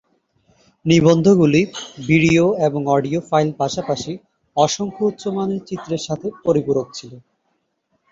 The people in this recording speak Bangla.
নিবন্ধগুলি ভিডিও এবং অডিও ফাইল পাশাপাশি অসংখ্য উচ্চ-মানের চিত্রের সাথে পরিপূরক ছিল।